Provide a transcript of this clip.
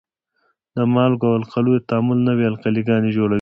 د مالګو او القلیو تعامل نوې القلي ګانې جوړوي.